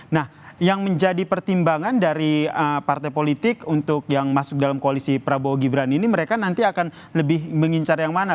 nah yang menjadi pertimbangan dari partai politik untuk yang masuk dalam koalisi prabowo gibran ini mereka nanti akan lebih mengincar yang mana